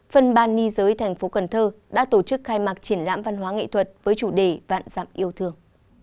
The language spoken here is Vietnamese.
phân ban ni giới thành phố cần thơ đã tổ chức khai mạc triển lãm văn hóa nghệ thuật với chủ đề vạn dặm yêu thương